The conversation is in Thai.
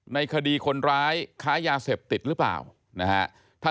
ในคดีคนร้ายค้ายาเสพติดหรือเปล่านะฮะ